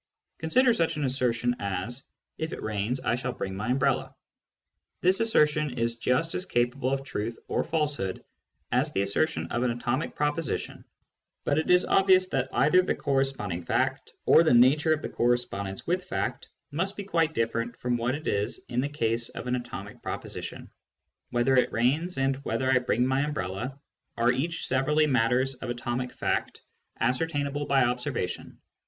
Consider such an assertion as, " If it rains, I shall bring my umbrella." This assertion is just as capable of truth or falsehood as the assertion of an atomic proposition, but it is obvious that either the corresponding fact, or the nature of the cor respondence with fact, must be quite different from what it is in the case of an atomic proposition. Whether it rains, and whether I bring my umbrella, are each severally matters of atomic fact, ascertainable by observation.